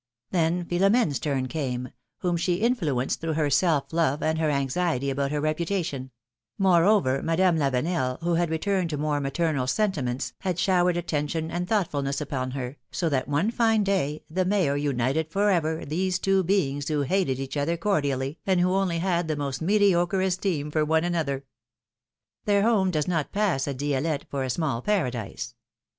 Then Philomene's turn came, whom she influenced through her self love and her anxiety about her reputa tion ; moreover, Madame Lavenel, who had returned to more maternal sentiments, had showered attention and thoughtfulness upon her, so that one fine day the Mayor united forever these two beings who hated each other cor dially, and who only had the most mediocre esteem for one another. Their home does not pass at Dielette for a small paradise.